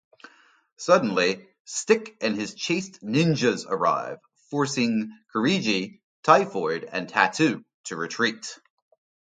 Suddenly, Stick and his Chaste ninjas arrive, forcing Kirigi, Typhoid, and Tattoo to retreat.